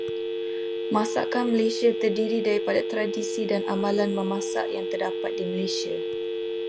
Masakan Malaysia terdiri daripada tradisi dan amalan memasak yang terdapat di Malaysia.